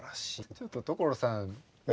ちょっと所さん何か。